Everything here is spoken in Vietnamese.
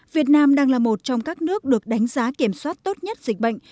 việt nam đang là một trong các nước được đánh giá kiểm soát tốt nhất dịch bệnh